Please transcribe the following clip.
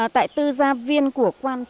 tại tư gia viên của quan tâm nguyễn công chứ